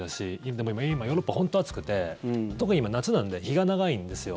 でも今、ヨーロッパ、本当暑くて特に今、夏なので日が長いんですよ。